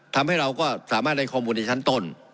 ทำให้เราก็สามารถได้ข้อมูลในชั้นต้น